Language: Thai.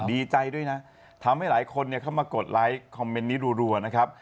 ดีใจด้วยนะทำให้หลายคนเข้ามากดไลค์คอมเมนต์นี้รัวนะครับ